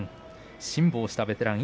辛抱したベテラン。